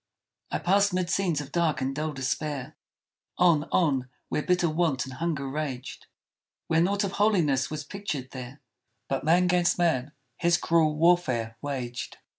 I passed 'mid scenes of dark and dull despair, On, on, where bitter want and hunger raged; Where naught of holiness was pictured there, But man 'gainst man his cruel warfare waged!